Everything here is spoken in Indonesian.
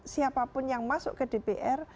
siapapun yang masuk ke dpr